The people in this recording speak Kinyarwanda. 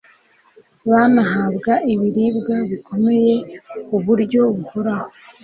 banahabwa ibiribwa bikomeye ku buryo buhoraho